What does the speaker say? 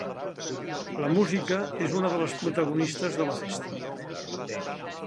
La música és una de les protagonistes de la festa.